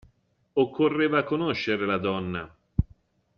Occorreva conoscere la donna.